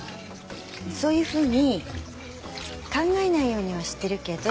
そういうふうに考えないようにはしてるけど。